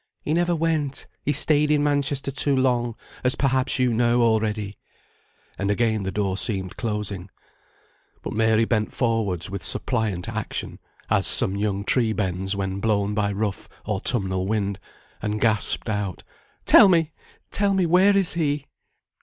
"He never went; he stayed in Manchester too long; as perhaps you know, already." And again the door seemed closing. But Mary bent forwards with suppliant action (as some young tree bends, when blown by the rough, autumnal wind), and gasped out, "Tell me tell me where is he?"